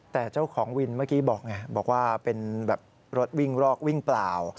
แต่เจ้าของวินเมื่อกี้บอกไงบอกว่าเป็นแบบรถวิ่งรอกวิ่งเปล่า